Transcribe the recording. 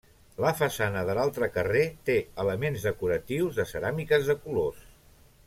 La façana de l'altre carrer té elements decoratius de ceràmiques de colors.